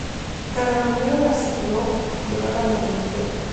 Carlos Romero Barceló llevaba la delantera.